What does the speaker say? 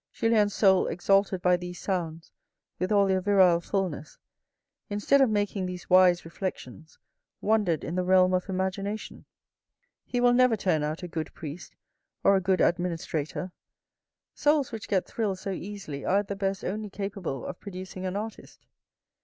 Julien's soul exalted by these sounds with all their virile fulness, instead of making these wise reflections, wandered in the realm of imagination. He will never turn out a good priest or a good administrator. Souls which get thrilled so easily are at the best only capable of producing an artist.